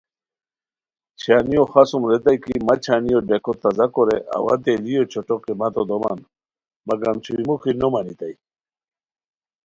چھانیو خاڅومر یتائے کی مہ چھانیو ڈیکو تازہ کورے اوا تیلیو چوٹھو قیمتو دومان مگم چھوئے موخی نو مانیتائے